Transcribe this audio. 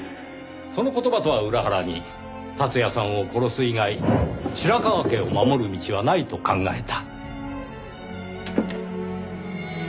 その言葉とは裏腹に達也さんを殺す以外白河家を守る道はないと考えた。